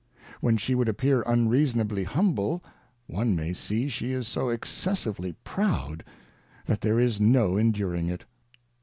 I When she would appear unreasonably humble, one may see she is so excessively proud, that there is no endur ing it.